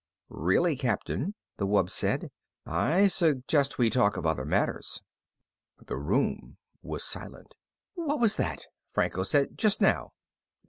"Really, Captain," the wub said. "I suggest we talk of other matters." The room was silent. "What was that?" Franco said. "Just now."